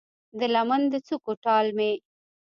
د لمن د څوکو ټال مې